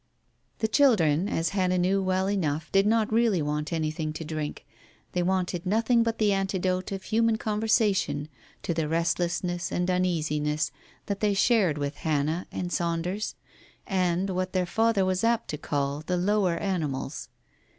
The children, as Hannah knew well enough, did not really want anything to drink, they wanted nothing but the antidote of human conversation to the restlessness and uneasiness that they shared with Hannah and Saunders, and what their father was apt to call "the lower animals."